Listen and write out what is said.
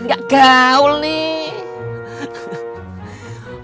gak gaul nih